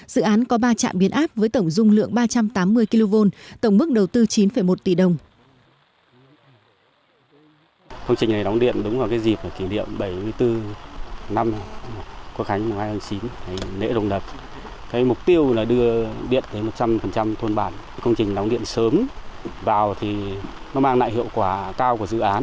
dự án có ba trạm biến áp với tổng dung lượng ba trăm tám mươi kv tổng mức đầu tư chín một tỷ đồng